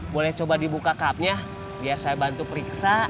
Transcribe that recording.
boleh coba dibuka kapnya biar saya bantu periksa